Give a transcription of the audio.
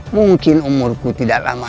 mungkin umurku tidak lama